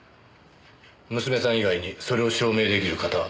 娘さん以外にそれを証明出来る方は？